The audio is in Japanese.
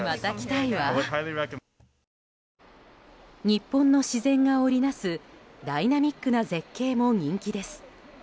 日本の自然が織りなすダイナミックな絶景も人気です。